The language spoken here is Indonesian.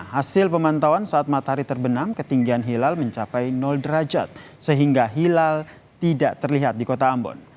hasil pemantauan saat matahari terbenam ketinggian hilal mencapai derajat sehingga hilal tidak terlihat di kota ambon